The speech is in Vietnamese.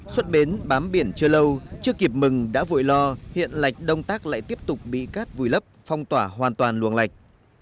xuất bến bám biển chưa lâu chưa kịp mừng đã vội lo hiện lạch đông tác lại tiếp tục bị cát vùi lấp phong tỏa hoàn toàn luồng lạch